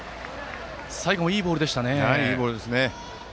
最後、いいボールでしたね。